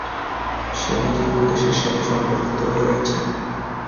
সে নিজের উদ্দেশ্যের সাথে সম্পর্কিত হয়েই আছে।